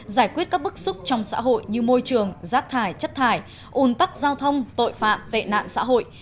giải quyết các bức xúc trong xã hội như môi trường rác thải chất thải ùn tắc giao thông tội phạm tệ nạn xã hội